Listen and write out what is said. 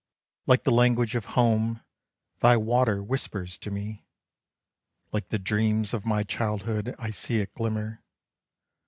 Like the language of home, thy water whispers to me. Like the dreams of my childhood I see it glimmer.